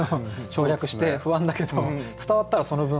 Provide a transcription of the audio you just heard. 省略して不安だけど伝わったらその分。